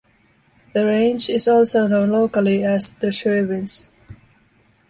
The range is also known locally as The Sherwins.